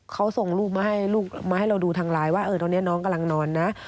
เขาส่งรูปมาให้ลูกมาให้เราดูทางไลน์ว่าตอนนี้น้องกำลังนอนนะ